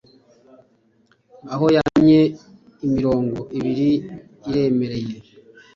aho yamennye, imirongo ibiri iremereye,